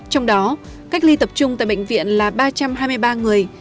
trong đó cách ly tập trung tại bệnh viện là ba trăm hai mươi ba người